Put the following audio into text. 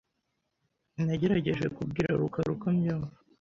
Nagerageje kubwira rukara uko mbyumva .